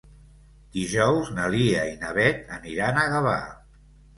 Dijous na Lia i na Beth aniran a Gavà.